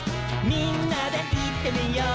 「みんなでいってみよう」